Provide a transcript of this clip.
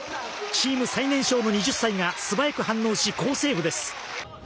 チーム最年少の２０歳が素早く反応し好セーブです。